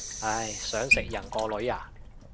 唉，想食人個女啊